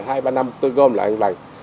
hai ba năm tôi gom lại một lần